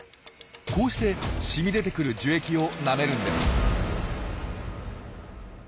こうして染み出てくる樹液をなめるんです。